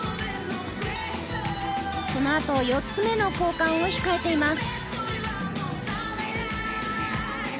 このあと４つ目の交換を控えています。